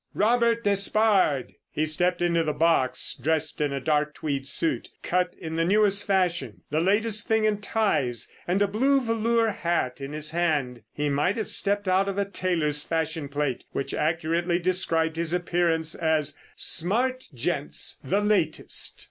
"Robert Despard!" He stepped into the box—dressed in a dark tweed suit—cut in the newest fashion—the latest thing in ties, and a blue velour hat in his hand. He might have stepped out of a tailor's fashion plate, which accurately described his appearance as "Smart Gents. The latest!"